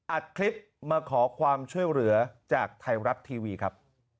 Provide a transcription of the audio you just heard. อัดคลิปมาขอความช่วยเหลือจากไทยรัฐทีวีครับ